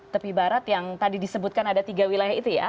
tepi barat yang tadi disebutkan ada tiga wilayah itu ya